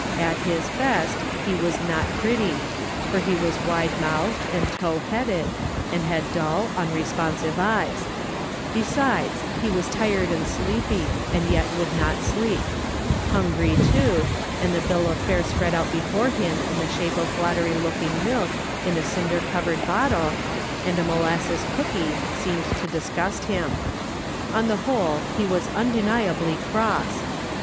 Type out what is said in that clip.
At his best, he was not pretty, for he was wide mouthed and tow headed, and had dull, unre sponsive eyes ; besides, he was tired and sleepy, and yet would not sleep ; hungry, too, and the bill of fare spread out liefore him in the shape of watery looking milk in a cinder covered bottle, and a molasses cooky, seemed to disgust him ; on the whole he was undeni ably cross.